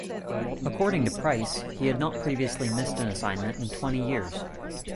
According to Price, he had not previously missed an assignment in twenty years.